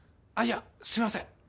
あっいやすいません。